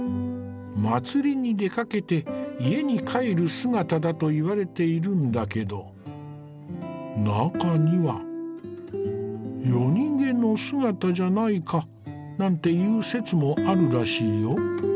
祭りに出かけて家に帰る姿だといわれているんだけど中には夜逃げの姿じゃないかなんていう説もあるらしいよ。